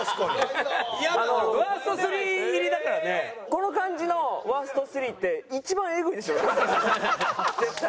この感じのワースト３って一番エグいでしょ絶対。